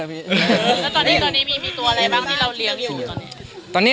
ตอนนี้มีกี่ตัวอะไรบ้างที่เรารียงอยู่ตอนนี้